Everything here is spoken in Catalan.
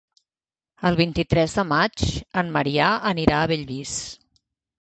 El vint-i-tres de maig en Maria anirà a Bellvís.